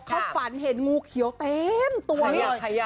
เขาฝันเห็นงูเขียวเต็มตัวเลย